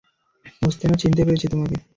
বুঝতে না চিনতে পেরেছি তোমাকে।